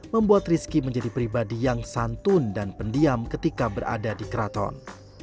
membuat rizky menjadi pribadi yang santun dan pendiam ketika berada di keraton